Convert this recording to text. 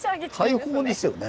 大砲ですよね。